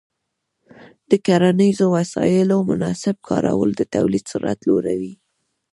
د کرنیزو وسایلو مناسب کارول د تولید سرعت لوړوي.